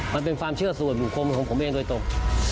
มันเป็นความเชื่อส่วนบุคคลของผมเองโดยตรง